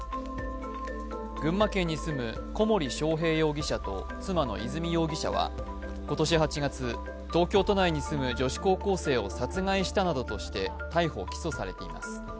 群馬県に住む小森章平容疑者と妻の和美容疑者は今年８月、東京都内に住む女子高校生を殺害したなどとして逮捕・起訴されています。